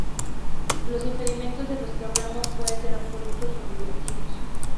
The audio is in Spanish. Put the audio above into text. Los impedimentos de los que hablamos, pueden ser absolutos o relativos.